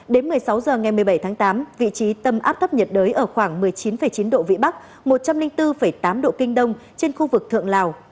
đến một mươi sáu h ngày một mươi bảy tháng tám vị trí tâm áp thấp nhiệt đới ở khoảng một mươi chín chín độ vĩ bắc một trăm linh bốn tám độ kinh đông trên khu vực thượng lào